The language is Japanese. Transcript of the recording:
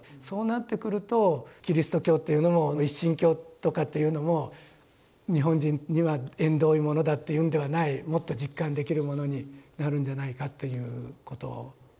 そうなってくるとキリスト教というのも一神教とかっていうのも日本人には縁遠いものだっていうんではないもっと実感できるものになるんじゃないかということを。